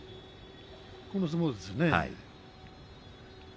この相撲ですよね。